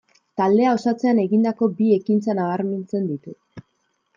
Taldea osatzean egindako bi ekintza nabarmentzen ditu.